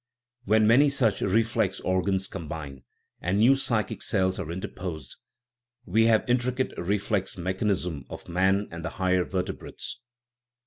When many such reflex organs combine and new psychic cells are interposed we have the intricate reflex mechan ism of man and the higher vertebrates.